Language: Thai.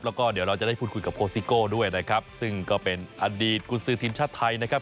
แล้วก็เดี๋ยวเราจะได้พูดคุยกับโคซิโก้ด้วยนะครับซึ่งก็เป็นอดีตกุญสือทีมชาติไทยนะครับ